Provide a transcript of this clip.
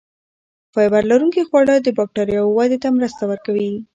فایبر لرونکي خواړه د بکتریاوو ودې ته مرسته کوي.